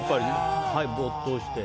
没頭して。